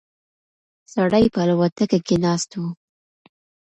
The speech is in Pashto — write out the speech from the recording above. سړی په الوتکه کې ناست و.